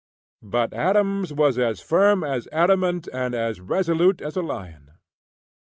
But Adams was as firm as adamant and as resolute as a lion.